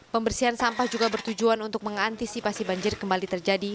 pembersihan sampah juga bertujuan untuk mengantisipasi banjir kembali terjadi